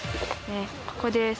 ここです